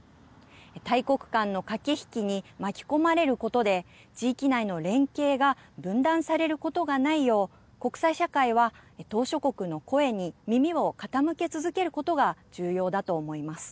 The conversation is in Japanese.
大国間の駆け引きに巻き込まれることで地域内の連携が分断されることがないよう国際社会は、島しょ国の声に耳を傾け続けることが重要だと思います。